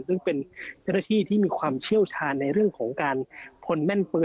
ซึ่งเป็นเจ้าหน้าที่ที่มีความเชี่ยวชาญในเรื่องของการคนแม่นเปลือ